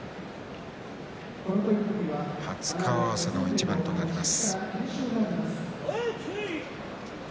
初顔合わせの一番となります。